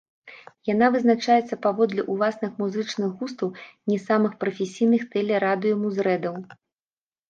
Яна вызначаецца паводле ўласных музычных густаў не самых прафесійных тэле-радыё музрэдаў.